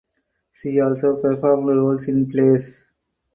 She also performed roles in plays.